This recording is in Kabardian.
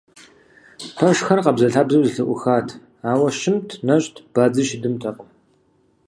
Пэшхэр къабзэлъабзэу зэлъыӀухат, ауэ щымт, нэщӀт, бадзи щыдымтэкъым.